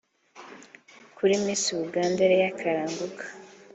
Kuri Miss Uganda Leah Kalanguka